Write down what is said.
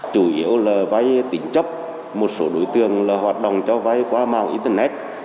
chủ yếu là vay tỉnh chấp một số đối tượng hoạt động cho vay qua mạng internet